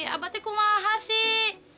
abah itu kumohon sih